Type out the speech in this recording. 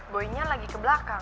boynya lagi ke belakang